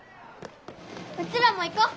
うちらも行こう。